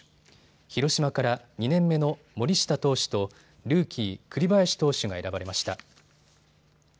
広島から２年目の森下投手とルーキー、栗林投手が選ばれました。